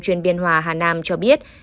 chuyên biên hòa hà nam cho biết